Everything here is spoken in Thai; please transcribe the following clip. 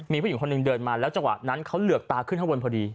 มีผู้หญิงคนหนึ่งเดินมาแล้วจังหวะนั้นเขาเหลือกตาขึ้นข้างบนพอดี